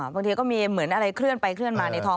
บางทีก็มีเหมือนอะไรเคลื่อนไปเคลื่อนมาในท้อง